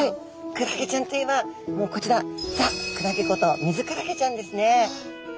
クラゲちゃんといえばもうこちらザ・クラゲことミズクラゲちゃんですね。